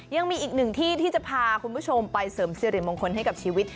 ยังมีอีกหนึ่งที่ที่จะพาคุณผู้ชมไปเสริมสิริมงคลให้กับชีวิต